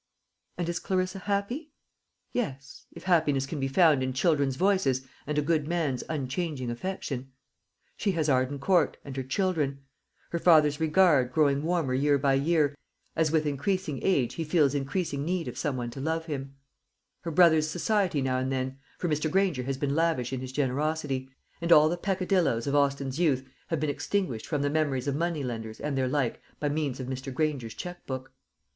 And is Clarissa happy? Yes, if happiness can be found in children's voices and a good man's unchanging affection. She has Arden Court, and her children; her father's regard, growing warmer year by year, as with increasing age he feels increasing need of some one to love him; her brother's society now and then for Mr. Granger has been lavish in his generosity, and all the peccadilloes of Austin's youth have been extinguished from the memories of money lenders and their like by means of Mr. Granger's cheque book.